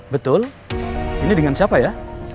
betul ini dengan siapa ya